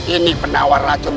ini penawar racunnya kamu